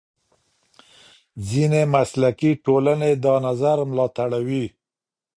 ځینې مسلکي ټولنې دا نظر ملاتړوي.